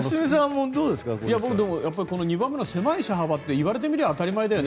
狭い車幅って言われてみれば当たり前だよね。